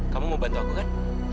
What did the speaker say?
kamu mau bantu aku kan